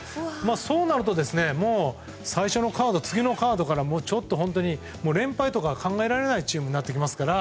そうなると、最初のカード次のカードから連敗とか考えられないチームになってきますから。